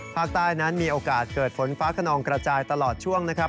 ภาคใต้นั้นมีโอกาสเกิดฝนฟ้าขนองกระจายตลอดช่วงนะครับ